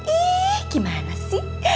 ih gimana sih